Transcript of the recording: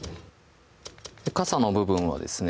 傘の部分はですね